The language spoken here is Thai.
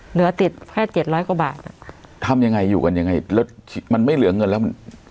เหลือติดแค่เจ็ดร้อยกว่าบาทอ่ะทำยังไงอยู่กันยังไงแล้วมันไม่เหลือเงินแล้วมัน